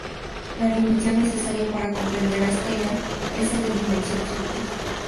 La dimensión necesaria para comprender a Steiner es la dimensión sutil.